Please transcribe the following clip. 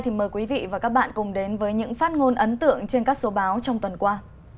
thì mời quý vị và các bạn cùng đến với những phát ngôn ấn tượng trên các số báo trong tuần qua